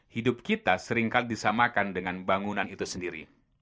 hidup kita seringkali disamakan dengan bangunan itu sendiri